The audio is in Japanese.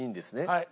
はい。